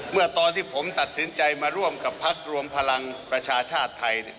เมื่อตอนที่ผมตัดสินใจมาร่วมกับพักรวมพลังประชาชาติไทย